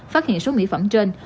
phát hiện số mỹ phẩm trên